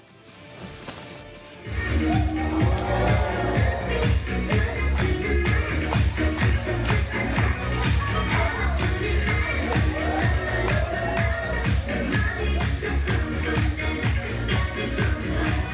วิ่ง